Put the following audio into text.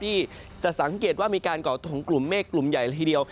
ที่จะสังเกตว่ามีการก่อตัวของกลุ่มเมฆกลุ่มใหญ่ละทีเดียว